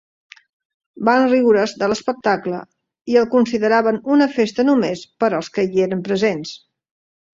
Van riure's de l'espectacle i el consideraven una festa només per als que hi eren presents.